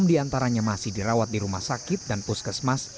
enam diantaranya masih dirawat di rumah sakit dan puskesmas